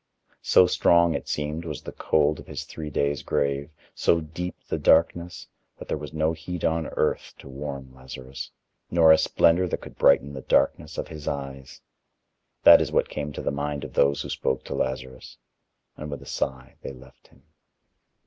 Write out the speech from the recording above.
So strong, it seemed, was the cold of his three days' grave, so deep the darkness, that there was no heat on earth to warm Lazarus, nor a splendor that could brighten the darkness of his eyes. That is what came to the mind of those who spoke to Lazarus, and with a sigh they left him.